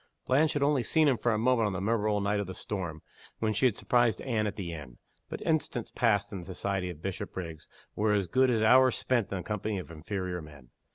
Blanche had only seen him for a moment on the memorable night of the storm, when she had surprised Anne at the inn. But instants passed in the society of Bishopriggs were as good as hours spent in the company of inferior men.